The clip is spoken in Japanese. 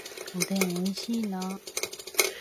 おでん美味しいな